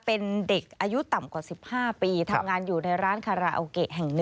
เป็นเด็กอายุต่ำกว่า๑๕ปีทำงานอยู่ในร้านคาราโอเกะแห่ง๑